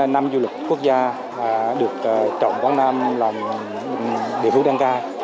năm du lịch quốc gia được trọng quảng nam làm địa phương đen cai